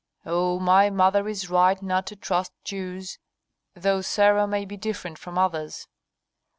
Oh, my mother is right not to trust Jews, though Sarah may be different from others."